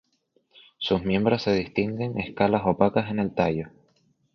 Sus miembros se distinguen escalas opacas en el tallo.